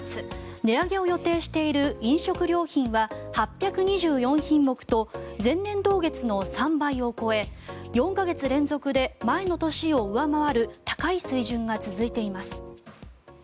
値上げを予定している飲食料品は８２４品目と前年同月の３倍を超え４か月連続で前の年を上回る高い水準が続いています。